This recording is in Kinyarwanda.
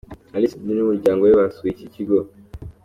Ally Soudi n'umuryango we basuye iki kigo